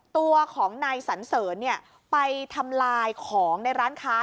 ตัวของนายสันเสริญไปทำลายของในร้านค้า